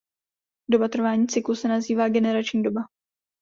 Doba trvání cyklu se nazývá generační doba.